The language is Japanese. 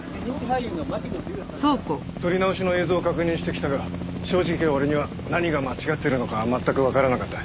撮り直しの映像を確認してきたが正直俺には何が間違ってるのか全くわからなかった。